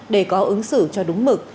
để có ứng xử cho đúng mực